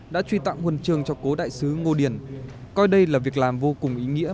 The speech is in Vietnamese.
đã truy tặng nguồn trường cho cố đại sứ ngô điền coi đây là việc làm vô cùng ý nghĩa